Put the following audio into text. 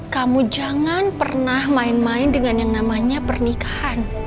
kamu jangan pernah main main dengan yang namanya pernikahan